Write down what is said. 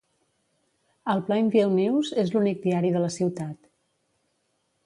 El Plainview News és l'únic diari de la ciutat.